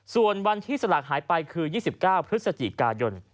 ส่วนวันที่สลากหายไปคือ๒๙พฤศจิกายน